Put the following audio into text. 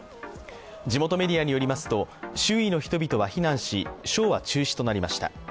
地元メディアによりますと周囲の人々は避難しショーは中止となりました。